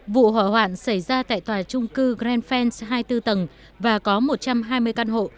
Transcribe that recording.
vụ hỏa hoạn xảy ra tại tòa trung cư grand fin hai mươi bốn tầng và có một trăm hai mươi căn hộ